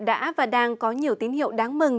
đã và đang có nhiều tín hiệu đáng mừng